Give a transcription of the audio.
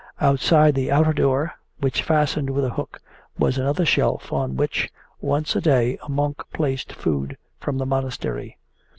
Outside the outer door, which fastened with a hook, was another shelf on which, once a day, a monk placed food from the monastery.